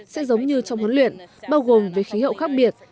sẽ giống như trong huấn luyện bao gồm về khí hậu khác biệt